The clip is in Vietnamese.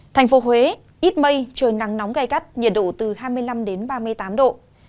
thành phố huế ít mây trời nắng nóng gai gắt nhiệt độ từ hai mươi năm đến ba mươi tám độ